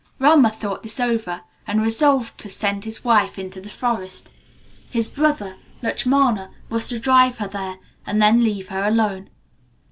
Rama thought this over, and resolved to send his wife into the forest. His brother, Lutchmana, was to drive her there, and then to leave her alone.